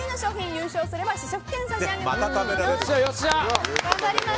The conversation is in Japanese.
優勝すれば試食券を差し上げます。